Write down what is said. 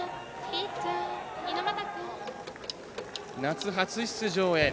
夏初出場へ。